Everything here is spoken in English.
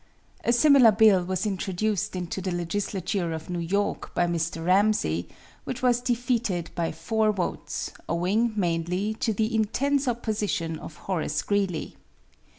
A similar bill was introduced into the legislature of New York by Mr. Ramsey, which was defeated by four votes, owing, mainly, to the intense opposition of Horace Greeley.